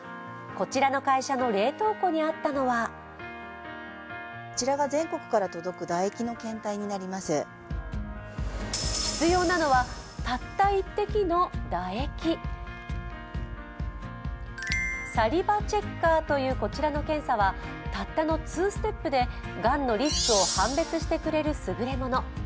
こちらの会社の冷凍庫にあったのは必要なのはたった１滴の唾液サリバチェッカーというこちらの検査はたったの２ステップで、がんのリスクを判別してくれる優れもの。